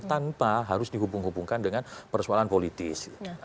tanpa harus dihubung hubungkan dengan persoalan politis